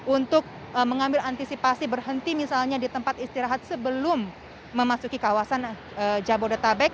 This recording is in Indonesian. untuk mengambil antisipasi berhenti misalnya di tempat istirahat sebelum memasuki kawasan jabodetabek